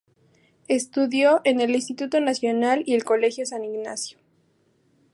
Estudió en el Instituto Nacional y el Colegio San Ignacio.